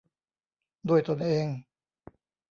ด้วยตนเอง